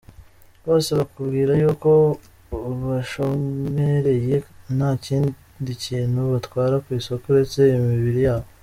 Bose bakubwira yuko bashomereye, nta kindi kintu batwara ku isoko uretse imibiri yabo !